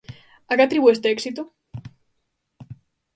A que atribúe este éxito?